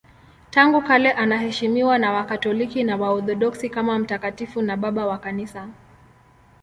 Tangu kale anaheshimiwa na Wakatoliki na Waorthodoksi kama mtakatifu na Baba wa Kanisa.